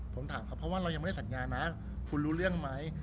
ผมถามเขาเพราะว่าเรายังไม่ได้สัญญานะคุณรู้เรื่องไหม